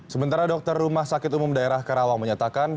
sementara dokter rumah sakit umum daerah karawang menyatakan